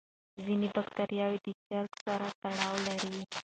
ځینې بکتریاوې د چرګ سره تړاو لري.